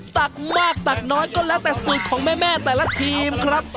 ตักมากตักน้อยก็แล้วแต่สูตรของแม่แต่ละทีมครับ